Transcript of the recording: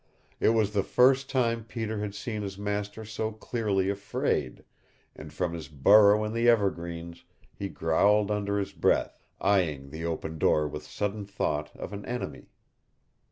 It was the first time Peter had seen his master so clearly afraid, and from his burrow in the evergreens he growled under his breath, eyeing the open door with sudden thought of an enemy.